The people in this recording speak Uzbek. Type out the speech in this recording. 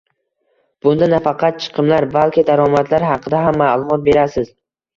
Bunda nafaqat chiqimlar, balki daromadlar haqida ham ma’lumot berasiz.